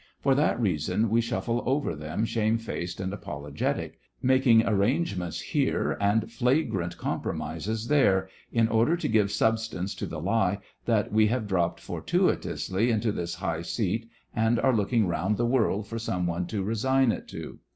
For that reason we shuffle over them shame faced and apologetic, making arrangements 118 THE FRINGES OF THE FLEET here and flagrant compromises there, in order to give substance to the lie that we have dropped fortuitously into this high seat and are looking round the world for some one to resign it to.